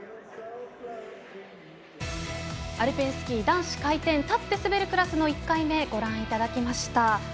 アルペンスキー男子回転立って滑るクラスの１回目ご覧いただきました。